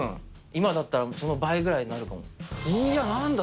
今だったら、その倍ぐらいになるかも。